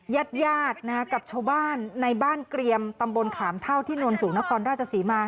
ยาดกับชาวบ้านในบ้านเกรียมตำบลขามเท่าที่นวลสู่นครราชสีมา